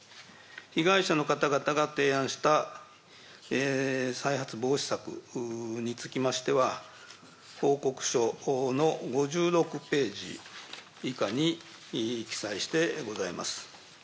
被害者の方々が提案した再発防止策につきましては、報告書の５６ページ以下に記載してございます。